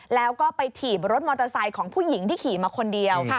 แล้วก็ไปถีบรถมอเตอร์ไซค์ของผู้หญิงที่ขี่มาคนเดียว